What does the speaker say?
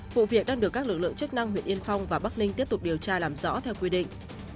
vụ việc đang được các lực lượng chức năng huyện yên phong và bắc ninh tiếp tục điều tra làm rõ theo quy định